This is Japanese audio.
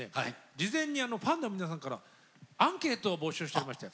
事前にファンの皆さんからアンケートを募集しておりまして。